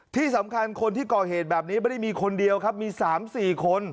ที่สำคัญคนที่ก่อเหตุแบบนี้ไม่ได้มีคนเดียวครับมี๓๔คน